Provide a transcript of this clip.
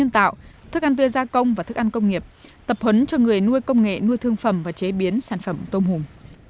tập huấn cho người nuôi công nghệ nuôi thương phẩm và chế biến sản phẩm tôm hùm